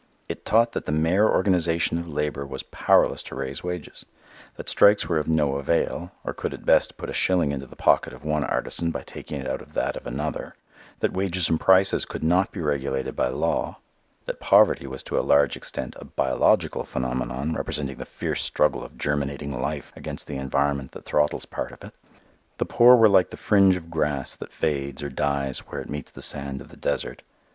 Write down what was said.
It taught that the mere organization of labor was powerless to raise wages; that strikes were of no avail, or could at best put a shilling into the pocket of one artisan by taking it out of that of another; that wages and prices could not be regulated by law; that poverty was to a large extent a biological phenomenon representing the fierce struggle of germinating life against the environment that throttles part of it. The poor were like the fringe of grass that fades or dies where it meets the sand of the desert.